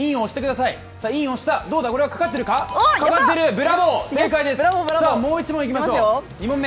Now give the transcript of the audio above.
さあもう１問いきましょう、２問目。